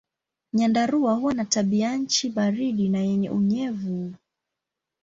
Nyandarua huwa na tabianchi baridi na yenye unyevu.